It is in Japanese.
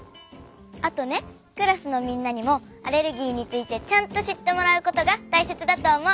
あとねクラスのみんなにもアレルギーについてちゃんとしってもらうことがたいせつだとおもう。